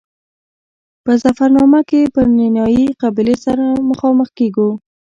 په ظفرنامه کې پرنیاني قبیلې سره مخامخ کېږو.